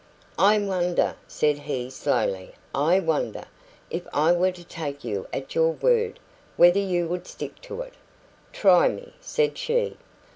"I wonder," said he slowly "I wonder, if I were to take you at your word, whether you would stick to it?" "Try me," said she.